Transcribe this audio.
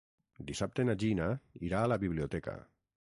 Dissabte na Gina irà a la biblioteca.